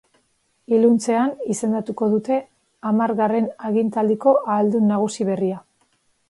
Iluntzean izendatuko dute hamargarren agintaldiko ahaldun nagusi berria.